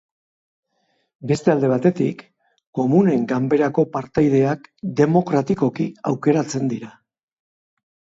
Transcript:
Beste alde batetik, Komunen Ganberako partaideak, demokratikoki aukeratzen dira.